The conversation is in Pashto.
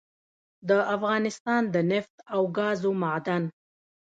دافغانستان دنفت او ګازو معادن